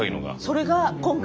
それが今回？